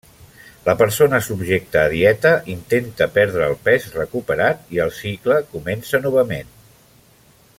La persona subjecta a dieta, intenta perdre el pes recuperat i el cicle comença novament.